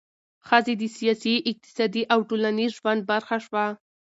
ښځې د سیاسي، اقتصادي او ټولنیز ژوند برخه شوه.